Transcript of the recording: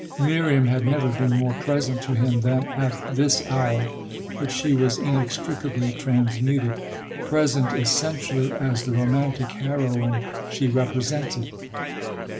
Miriam had never been more present to him than at this hour; but she was inextricably transmuted present essentially as the romantic heroine she represented.